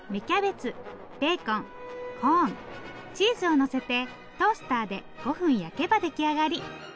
キャベツベーコンコーンチーズをのせてトースターで５分焼けば出来上がり。